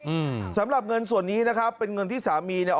อืมสำหรับเงินส่วนนี้นะครับเป็นเงินที่สามีเนี่ย